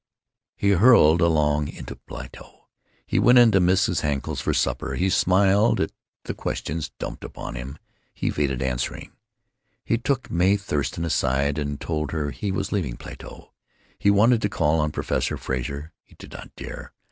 He hurled along into Plato. He went to Mrs. Henkel's for supper. He smiled at the questions dumped upon him, and evaded answering. He took Mae Thurston aside and told her that he was leaving Plato. He wanted to call on Professor Frazer. He did not dare.